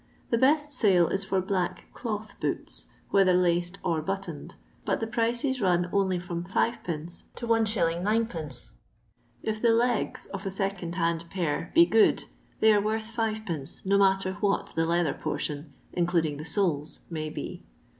The best sale is for black el&th hooUf whether Inced or buttoned, but the prices run only from M, to It. 9d. If the " legs" of a second hand pair be good, they are worth M., no matter what the leather portion, including the soles, may be.